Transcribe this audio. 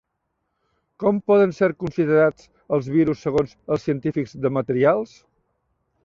Com poden ser considerats els virus segons els científics de materials?